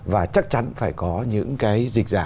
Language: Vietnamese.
và chắc chắn phải có những cái dịch giả